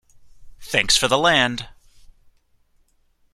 Thanks for the land.